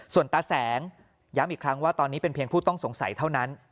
ส่วนตาแสงย้ำอีกครั้งว่าตอนนี้เป็นเพียงผู้ต้องสงสัยเท่านั้น